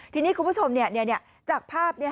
ทีนี้คุณผู้ชมเนี่ยจากภาพเนี่ย